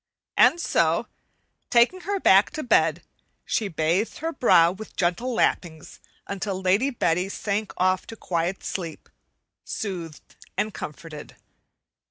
And so, taking her back to bed, she "bathed her brow" with gentle lappings until Lady Betty sank off to quiet sleep, soothed and comforted.